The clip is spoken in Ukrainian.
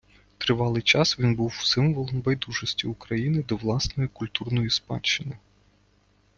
Тривалий час він був символом байдужості України до власної культурної спадщини.